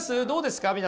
どうですか？